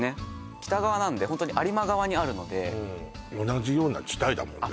北側なんでホントに有馬側にあるので同じような地帯だもんね